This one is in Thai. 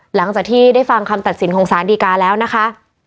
หลังจากที่ได้ฟังคำตัดสินของสารดีการแล้วนะคะ